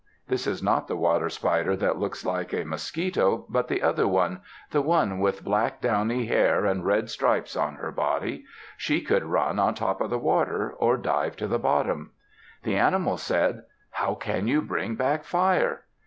This is not the water spider that looks like a mosquito, but the other one the one with black downy hair and red stripes on her body. She could run on top of the water, or dive to the bottom. The animals said, "How can you bring back fire?"